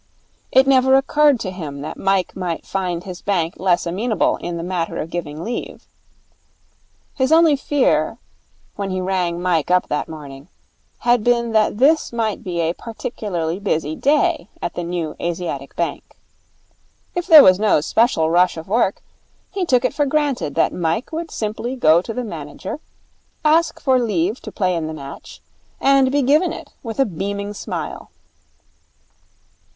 It never occurred to him that Mike might find his bank less amenable in the matter of giving leave. His only fear, when he rang Mike up that morning, had been that this might be a particularly busy day at the New Asiatic Bank. If there was no special rush of work, he took it for granted that Mike would simply go to the manager, ask for leave to play in the match, and be given it with a beaming smile.